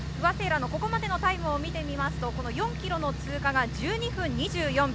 ここまでのタイムを見ると４ｋｍの通過が１２分２４秒。